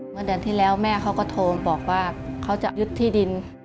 เมื่อเดือนที่แล้วแม่เขาก็โทรบอกว่าเขาจะยึดที่ดิน